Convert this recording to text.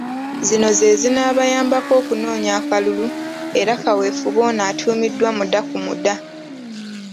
Zino ze zinaabayambako okunoonya akalulu era kaweefube ono atuumiddwa ‘Muda ku Muda’.